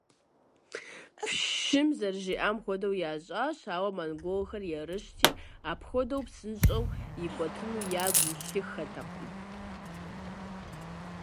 Пщым зэрыжиӏам хуэдэу ящӏащ, ауэ монголхэр ерыщти, апхуэдэу псынщӏэу икӏуэтыну ягу илъыххэтэкъым.